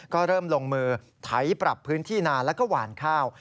ก็เริ่มลงมือไถปรับพื้นที่นานแล้วก็หวานข้าว